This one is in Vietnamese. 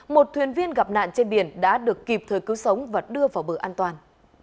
một thuyền viên gặp nạn trên biển đã được kịp thời cứu sống và đưa vào bờ an toàn